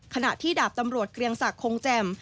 ขณะที่ดาบตำรวจเกรียงศักดิ์คงแจ่ม